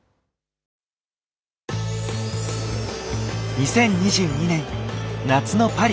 ２０２２年夏のパリ。